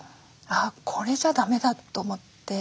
これじゃだめだと思って。